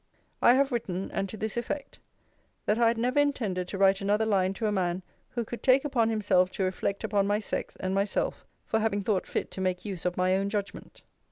I have written; and to this effect: 'That I had never intended to write another line to a man, who could take upon himself to reflect upon my sex and myself, for having thought fit to make use of my own judgment.